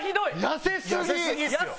痩せすぎ！